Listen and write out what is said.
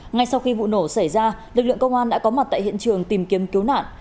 ngay sau khi vụ nổ xảy ra lực lượng công an đã có mặt tại hiện trường tìm kiếm cứu nạn